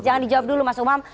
jangan dijawab dulu mas umam